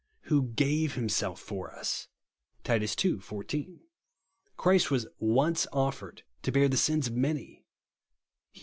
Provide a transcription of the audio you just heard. "Who gave himself for us," (Titus ii. 14). " Christ was once offered to bear the sins of many/* (Heb.